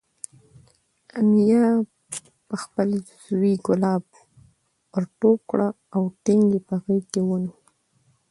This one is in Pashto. امیه پخپل زوی کلاب ورټوپ کړل او ټینګ یې په غېږ کې ونیو.